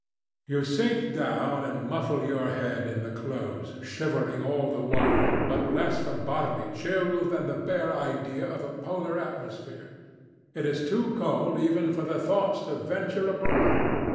You sink down and muffle your head in the clothes, shivering all the while, but less from bodily chill than the bare idea of a polar atmosphere. It is too cold even for the thoughts to venture abroad.